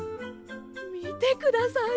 みてください